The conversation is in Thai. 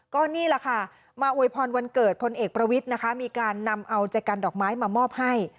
ก็นี่แหละค่ะมาอวยพรวันเกิดพลเอกประวิทย์นะคะมีการนำเอาใจกันดอกไม้มามอบให้